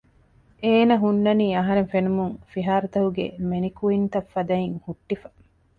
އޭނަ ހުންނަނީ އަހަރެން ފެނުމުން ފިހާރަތަކުގެ މެނިކުއިންތައް ފަދައިން ހުއްޓިފަ